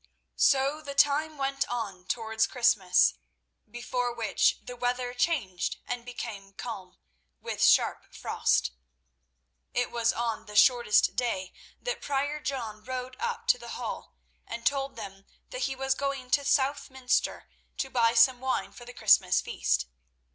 So the time went on towards Christmas, before which the weather changed and became calm, with sharp frost. It was on the shortest day that Prior John rode up to the Hall and told them that he was going to Southminster to buy some wine for the Christmas feast.